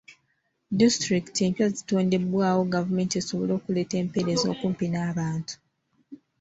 Disitulikiti empya zitondebwawo gavumenti esobole okuleeta empeereza okumpi n'abantu.